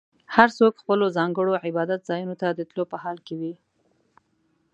هر څوک خپلو ځانګړو عبادت ځایونو ته د تلو په حال کې وي.